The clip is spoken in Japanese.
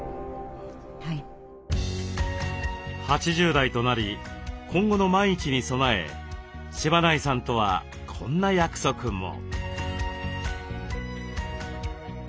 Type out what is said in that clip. ８０代となり今後の万一に備え柴内さんとはこんな約束も。